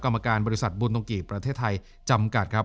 กรรมการบริษัทบูตุกิประเทศไทยจำกัดครับ